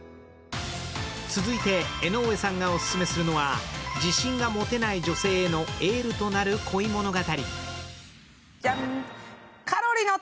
続いて、江上さんがオススメするのは自信が持てない女性へのエールとなる恋物語。